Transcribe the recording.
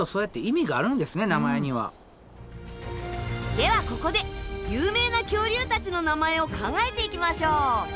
ではここで有名な恐竜たちの名前を考えていきましょう。